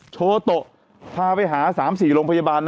โชโตะพาไปหา๓๔โรงพยาบาล